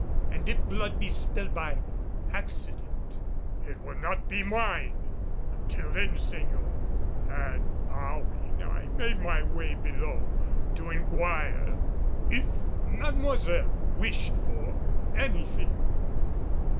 And if blood be spilled by accident " "It will not be mine! Until then, señor," and bowing, I made my way below to inquire if Mademoiselle wished for anything.